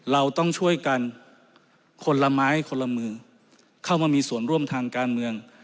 เราต้องช่วยกันคนละไม้คนละมือเข้ามามีส่วนร่วมทางการเมือง